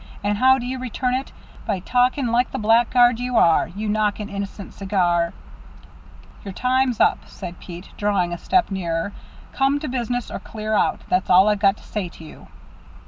And how do you return it? By talking like the blackguard you are you knock an innocent cigar " "Your time's up!" said Pete, drawing a step nearer. "Come to business, or clear out. That's all I've got to say to you."